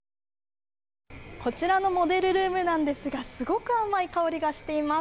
こちらのモデルルームなんですが、すごく甘い香りがしています。